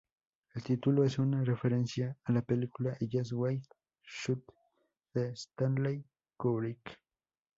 El título es una referencia a la película "Eyes Wide Shut", de Stanley Kubrick.